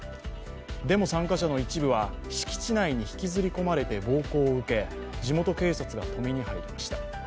デモ参加者の一部は敷地内に引きずり込まれて暴行を受け、地元警察が止めに入りました。